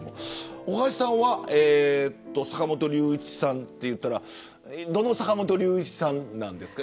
大橋さんは坂本龍一さんといったらどの坂本龍一さんですか。